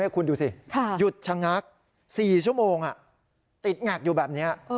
คุณดูสิค่ะหยุดชะงักสี่ชั่วโมงอ่ะติดแงกอยู่แบบเนี้ยเออ